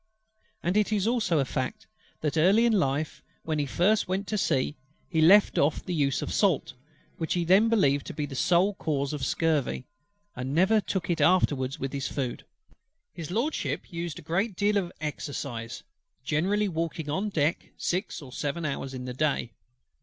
And it is also a fact, that early in life, when he first went to sea, he left off the use of salt, which he then believed to be the sole cause of scurvy, and never took it afterwards with his food. HIS LORDSHIP used a great deal of exercise, generally walking on deck six or seven hours in the day.